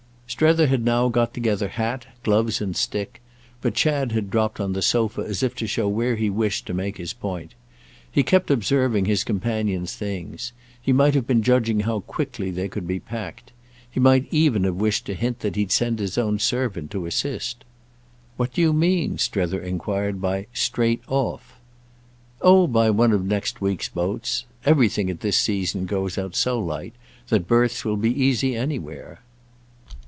Strether had now got together hat, gloves and stick, but Chad had dropped on the sofa as if to show where he wished to make his point. He kept observing his companion's things; he might have been judging how quickly they could be packed. He might even have wished to hint that he'd send his own servant to assist. "What do you mean," Strether enquired, "by 'straight off'?" "Oh by one of next week's boats. Everything at this season goes out so light that berths will be easy anywhere."